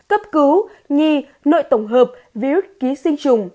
cấp cứu nhi nội tổng hợp virus ký sinh trùng